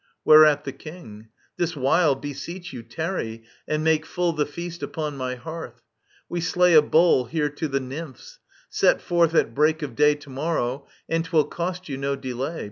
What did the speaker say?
Whereat the king : This while, beseech you, tarry, and make full The feast upon my hearth. We slay a bull Digitized by VjOOQIC ELECTRA 53 Here to the Nymphs. Set forth at break of day To morrow, and 'twill cost you no delay.